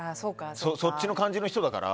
そっちの感じの人だから。